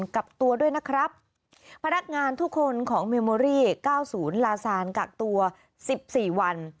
กักตัวด้วยนะครับพนักงานทุกคนของเมโมรี่เก้าศูนย์ลาซานกักตัวสิบสี่วัน